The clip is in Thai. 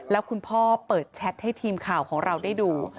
แล้วคุณพ่อเปิดแชทให้ทีมข่าวของเราได้ดู